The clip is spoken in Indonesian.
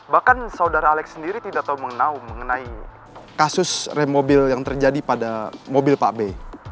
bahkan saudara alex sendiri tidak tahu menau mengenai kasus rem mobil yang terjadi pada mobil pak b